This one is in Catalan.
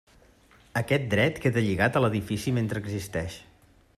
Aquest dret queda lligat a l'edifici mentre existeix.